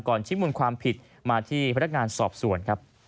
ก่อนชี้มูลความผิดมาที่พนักงานสอบส่วน